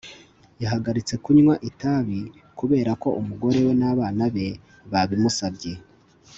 Yahagaritse kunywa itabi kubera ko umugore we nabana be babimusabye